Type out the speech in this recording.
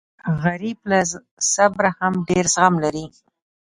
غریب له صبره هم ډېر زغم لري